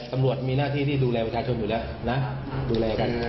ตำรวจมีหน้าที่ที่ดูแลประชาชนอยู่แล้วนะดูแลกัน